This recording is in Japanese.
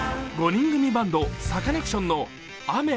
５人組バンド、サカナクションの「Ａｍｅ」。